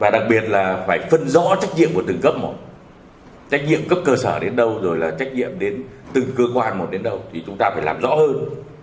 đặc biệt là phải phân rõ trách nhiệm của từng cấp một trách nhiệm cấp cơ sở đến đâu rồi là trách nhiệm đến từng cơ quan một đến đâu thì chúng ta phải làm rõ hơn